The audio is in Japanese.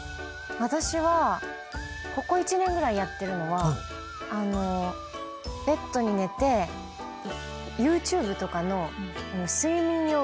私はここ１年ぐらいやってるのはあのベッドに寝てＹｏｕＴｕｂｅとかの睡眠用ＢＧＭ。